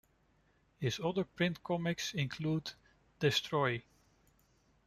His other print comics include Destroy!!